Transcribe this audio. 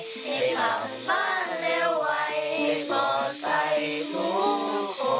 ให้หลับบ้านเร็วไวให้ปลอดภัยทุกคน